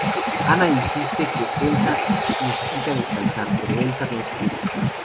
Anna insiste en que Elsa necesita descansar, pero Elsa no escucha.